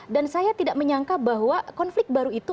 dan saya tidak menyangka bahwa konflik baru itu